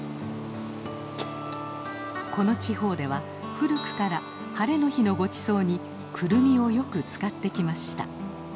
この地方では古くからハレの日のごちそうにクルミをよく使ってきました。